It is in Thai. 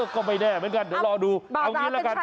ก็ไม่แน่เหมือนกัน